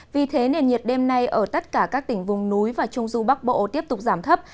vì thế nền nhiệt đêm nay ở tất cả các tỉnh vùng núi và trung du bắc bộ tiếp tục giảm thấp